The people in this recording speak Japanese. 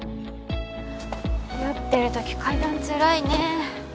酔ってる時階段つらいね。